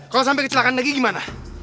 kalau sampai kecelakaan lagi gimana